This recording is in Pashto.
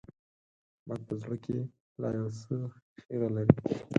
احمد په زړه کې لا يو څه خيره لري.